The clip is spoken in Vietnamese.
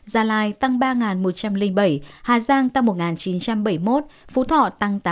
hà lai tăng ba một trăm linh bảy hà giang tăng một chín trăm bảy mươi một phú thọ tăng tám trăm sáu mươi bốn